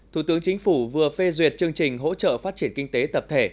thủ tướng chính phủ vừa phê duyệt chương trình hỗ trợ phát triển kinh tế tập thể